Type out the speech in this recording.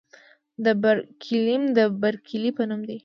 د برکیلیم د برکلي په نوم دی.